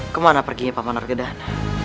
kemana perginya paman orgedan